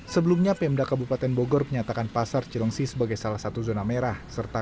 sebelumnya pmd kabupaten bogor menyatakan pasar cilungsi sebagai salah satu zona merah serta